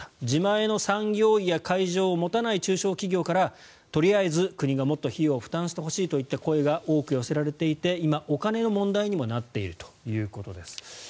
自前の産業医や会場を持たない中小企業からとりあえず国がもっと費用を負担してほしいといった声が多く寄せられていて今、お金の問題にもなっているということです。